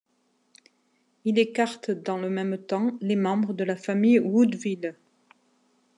Il écarte dans le même temps les membres de la famille Woodville.